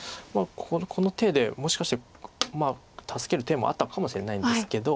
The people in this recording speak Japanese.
この手でもしかして助ける手もあったかもしれないんですけど。